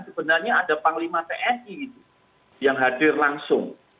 sebenarnya ada panglima tni yang hadir langsung